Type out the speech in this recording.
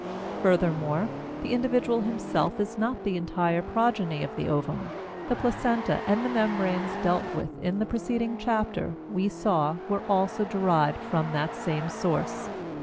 Furthermore, the individual himself is not the entire progeny of the ovum; the placenta and the membranes dealt with in the preceding chapter, we saw, were also derived from that same source.